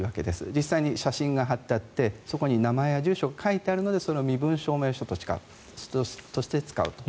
実際に写真が貼ってあってそこに名前や住所が書いてあるので身分証明書として使うと。